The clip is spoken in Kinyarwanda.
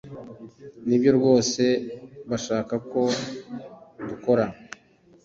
Nibyo rwose bashaka ko dukora.